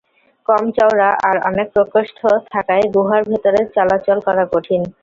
কম চওড়া আর অনেক প্রকোষ্ঠ থাকায় গুহার ভেতরে চলাচল করা কঠিন।